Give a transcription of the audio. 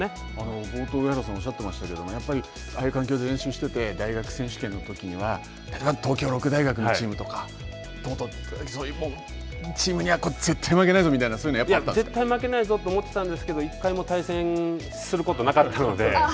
冒頭、上原さんがおっしゃっていましたけど、やっぱりああいう環境で練習していて、大学選手権のときには、東京六大学のチームとか、そういうチームには絶対負絶対負けないぞと思ってたんですけれども、１回も対戦することなかったので。